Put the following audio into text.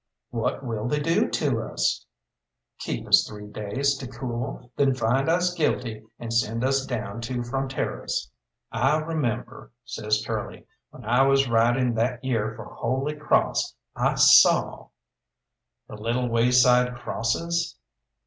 "What will they do to us?" "Keep us three days to cool, then find us guilty, and send us down to Fronteras." "I remember," says Curly, "when I was riding that year for Holy Cross I saw " "The little wayside crosses?"